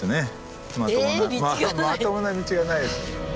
まともな道がないですよ。